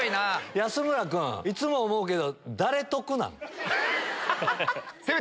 安村君いつも思うけど。